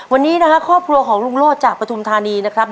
วันนี้นะครับครอบครัวของลุงโลศจากปฐุมธานีนะครับ